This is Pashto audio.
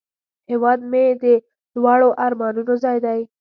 هیواد مې د لوړو آرمانونو ځای دی